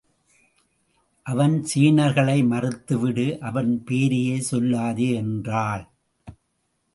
அவன் சீர்களை மறுத்துவிடு அவன் பேரையே சொல்லாதே என்றாள்.